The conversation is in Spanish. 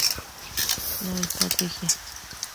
La Estrategia".